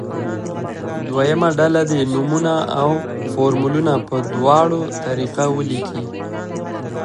دویمه ډله دې نومونه او فورمولونه په دواړو طریقه ولیکي.